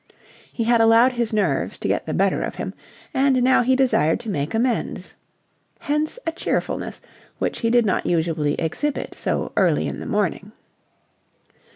He had allowed his nerves to get the better of him, and now he desired to make amends. Hence a cheerfulness which he did not usually exhibit so early in the morning.